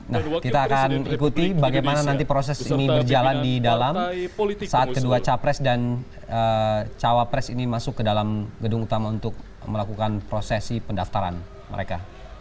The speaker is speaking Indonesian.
nah kita akan ikuti bagaimana nanti proses ini berjalan di dalam saat kedua capres dan cawapres ini masuk ke dalam gedung utama untuk melakukan prosesi pendaftaran mereka